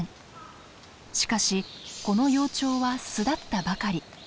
しかしこの幼鳥は巣立ったばかり。